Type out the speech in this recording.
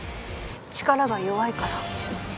力が弱いから？